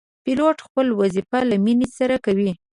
پیلوټ خپل وظیفه له مینې سره کوي.